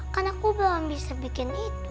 karena aku belum bisa bikin itu